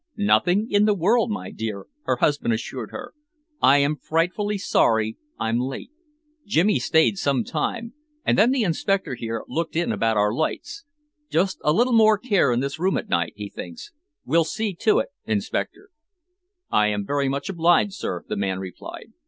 "Nothing in the world, my dear," her husband assured her. "I am frightfully sorry I'm so late. Jimmy stayed some time, and then the inspector here looked in about our lights. Just a little more care in this room at night, he thinks. We'll see to it, Inspector." "I am very much obliged, sir," the man replied.